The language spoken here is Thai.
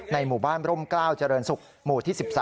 หมู่บ้านร่มกล้าวเจริญศุกร์หมู่ที่๑๒